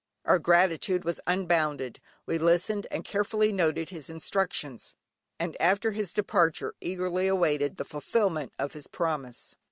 Our gratitude was unbounded, we listened and carefully noted his instructions, and after his departure eagerly awaited the fulfilment of his promise.